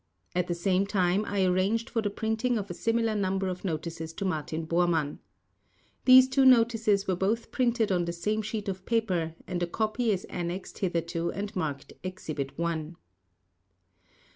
At the same time I arranged for the printing of a similar number of notices to Martin Bormann. These two notices were both printed on the same sheet of paper and a copy is annexed hereto and marked "Exhibit I".